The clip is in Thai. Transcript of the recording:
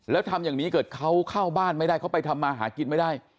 แล้วทำอย่างนี้เกิดเขาเข้าบ้านไม่ได้เขาไปทำมาหากินไม่ได้